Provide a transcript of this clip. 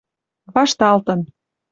Вашталтын